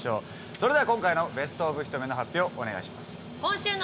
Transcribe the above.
それでは今回のベスト・オブ・ひと目の発表お願いします。